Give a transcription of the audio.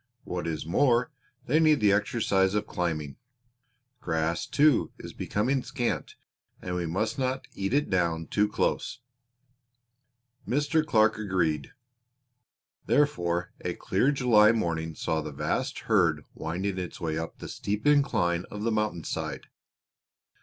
What is more, they need the exercise of climbing. Grass, too, is becoming scant and we must not eat it down too close." Mr. Clark agreed. Therefore a clear July morning saw the vast herd winding its way up the steep incline of the mountainside.